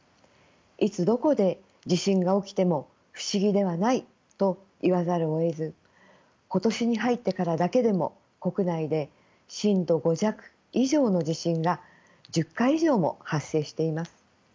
いつどこで地震が起きても不思議ではないと言わざるをえず今年に入ってからだけでも国内で震度５弱以上の地震が１０回以上も発生しています。